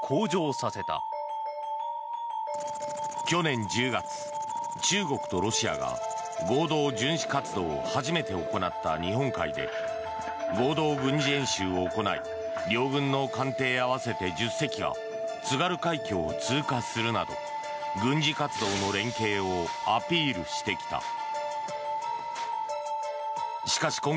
去年１０月、中国とロシアが合同巡視活動を初めて行った日本海で合同軍事演習を行い両軍の艦艇合わせて１０隻が津軽海峡を通過するなど軍事活動の連携をアピールしてきた。